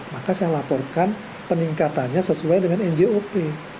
maka saya laporkan peningkatannya sesuai dengan njop